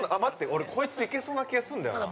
俺、こいついけそうな気がすんだよな。